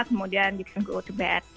kemudian kita go to bed